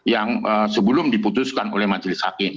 yang sebelum diputuskan oleh majelis hakim